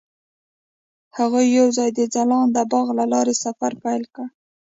هغوی یوځای د ځلانده باغ له لارې سفر پیل کړ.